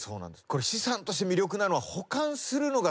これ資産として魅力なのは。